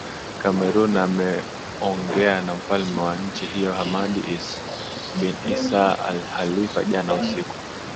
cameron ameongea na mfalme wa nchi hiyo hamadi is bin issah alhalifa jana usiku